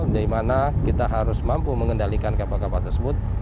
dimana kita harus mampu mengendalikan kapal kapal tersebut